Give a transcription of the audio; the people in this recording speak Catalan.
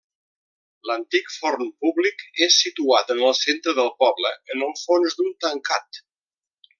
L'antic forn públic és situat en el centre del poble, en el fons d'un tancat.